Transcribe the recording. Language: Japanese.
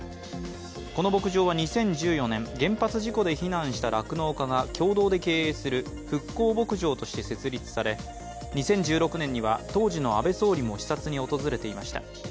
この牧場は２０１４年、原発事故で避難した酪農家が共同で経営する復興牧場として設立され２０１６年には当時の安倍総理も視察に訪れていました。